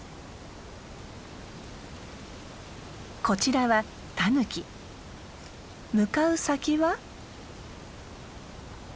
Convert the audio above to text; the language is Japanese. こちらは向かう先は？